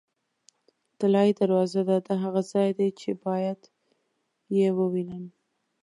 طلایي دروازه ده، دا هغه ځای دی چې باید یې ووینم.